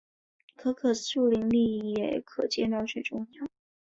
可可树林里也可见到这种鸟。